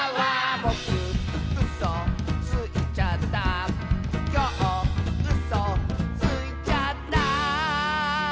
「ぼくうそついちゃった」「きょううそついちゃった」